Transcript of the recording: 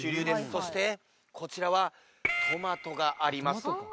そしてこちらはトマトがあります